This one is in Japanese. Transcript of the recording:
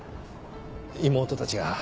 妹たちが。